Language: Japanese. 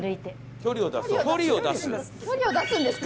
距離を出すんですか？